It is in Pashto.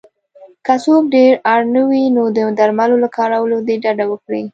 که څوک ډېر اړ نه وی نو د درملو له کارولو دې ډډه وکړی